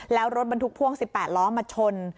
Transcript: แล้วรถบรรทุกพ่วง๑๘ล้อมาชน